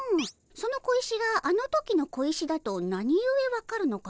その小石があの時の小石だとなにゆえ分かるのかの？